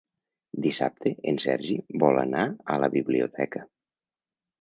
Dissabte en Sergi vol anar a la biblioteca.